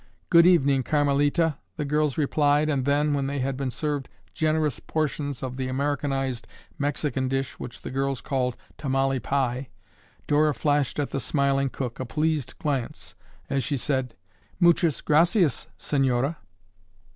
"Good evening, Carmelita," the girls replied, and then, when they had been served generous portions of the Americanized Mexican dish which the girls called "tamale pie," Dora flashed at the smiling cook a pleased glance as she said, "Muchas gracias, Señora."